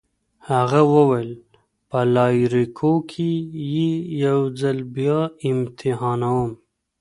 هغه وویل: په لایریکو کي يې یو ځل بیا امتحانوم.